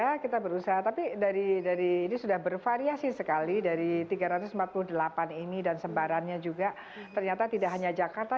ya kita berusaha tapi dari ini sudah bervariasi sekali dari tiga ratus empat puluh delapan ini dan sebarannya juga ternyata tidak hanya jakarta